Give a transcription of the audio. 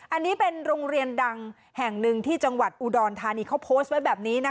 อันนี้เป็นโรงเรียนดังแห่งหนึ่งที่จังหวัดอุดรธานีเขาโพสต์ไว้แบบนี้นะคะ